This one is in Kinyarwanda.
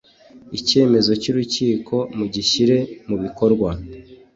icyemezo cy ‘urukiko mugishyire mubikorwa.